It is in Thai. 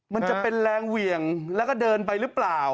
มันจะเป็นแรงเหวี่ยงแล้วก็เดินไปหรือเปล่า